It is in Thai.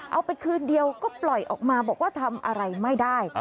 เอาไปคืนเดียวก็ปล่อยออกมาบอกว่าทำอะไรไม่ได้